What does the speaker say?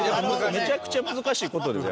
めちゃくちゃ難しい事ですよ